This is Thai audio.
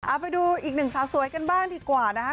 เอาไปดูอีกหนึ่งสาวสวยกันบ้างดีกว่านะคะ